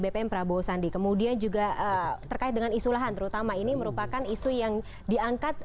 bpm prabowo sandi kemudian juga terkait dengan isu lahan terutama ini merupakan isu yang diangkat